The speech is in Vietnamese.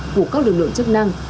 của các lực lượng chức năng